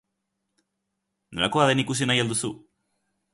Nolakoa den ikusi nahi al duzu?